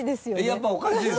やっぱおかしいですか？